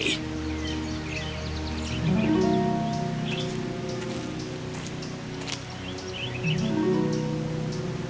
ratu mencari raja